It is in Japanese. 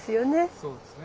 そうですね。